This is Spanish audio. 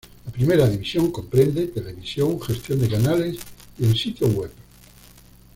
La primera división comprende televisión, gestión de canales y el sitio web.